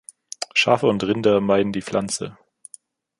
Schafe und Rinder meiden die Pflanze.